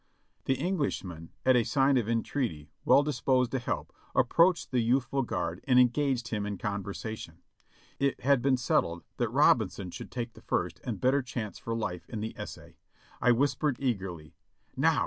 The Englishman, at a sign of entreaty, well disposed to help, approached the youthful guard and engaged him in conversation. It had been settled that Robinson should take the first and better chance for life in the essay. I whispered eagerly, "Now